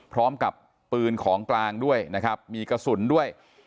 พร้อมกับปืนของกลางด้วยนะครับมีกระสุนด้วย